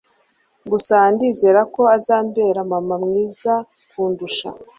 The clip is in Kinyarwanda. gusa ndizera ko azambera mama mwiza kundusha